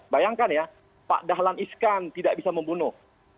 bayangkan ya pak dahlan iskan tidak bisa membunuh